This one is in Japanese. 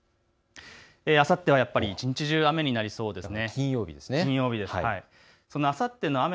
あさってはやっぱり一日中、雨になりそうですね。